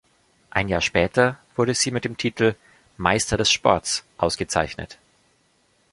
Ein Jahr später wurde sie mit dem Titel „Meister des Sports“ ausgezeichnet.